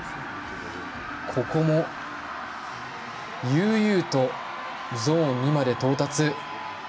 ここも悠々とゾーン２まで到達。